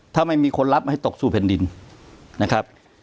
ถ้าไม่มีคนรับให้ตกสู่เพ็ญดินนะครับ